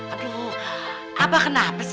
aduh abah kenapa sih